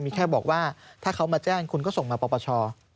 มีแค่บอกว่าถ้าเขามาแจ้งคุณก็ส่งมาปปช